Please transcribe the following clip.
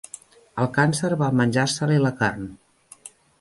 El càncer va menjar-se-li la carn.